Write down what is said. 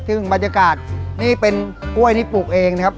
ซึ่งบรรยากาศนี่เป็นกล้วยที่ปลูกเองนะครับ